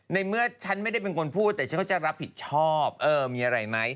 ในเมื่อฉันไม่ได้เป็นคนพูดแต่ฉันก็จะรับผิดชอบเออมีอะไรไหม